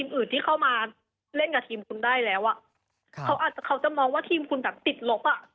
เล่นกับทีมคุณได้แล้วอ่ะเขาอาจจะเขาจะมองว่าทีมคุณแบบติดหลบอ่ะ